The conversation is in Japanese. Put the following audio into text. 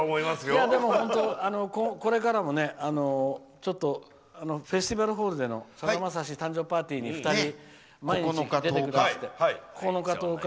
でも、これからもフェスティバルホールでのさだまさし誕生パーティーに２人９日と１０日。